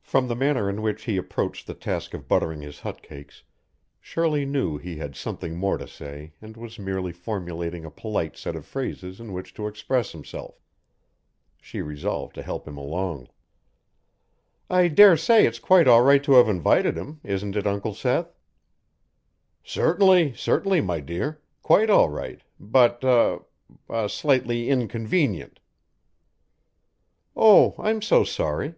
From the manner in which he approached the task of buttering his hot cakes Shirley knew he had something more to say and was merely formulating a polite set of phrases in which to express himself. She resolved to help him along. "I dare say it's quite all right to have invited him; isn't it, Uncle Seth?" "Certainly, certainly, my dear. Quite all right, but er ah, slightly inconvenient." "Oh, I'm so sorry.